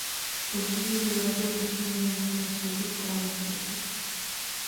Později byl radou vrchního zemského soudu v Klagenfurtu.